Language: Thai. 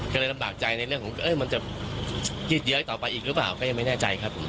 ก็เลยลำบากใจในเรื่องของมันจะยืดเยอะต่อไปอีกหรือเปล่าก็ยังไม่แน่ใจครับผม